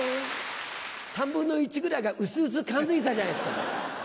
３分の１ぐらいがうすうす感づいたじゃないですか。